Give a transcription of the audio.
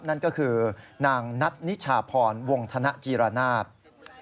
นั่นก็คือนางณ์นัตนิชาพรวงธนภาพยิรณาบคม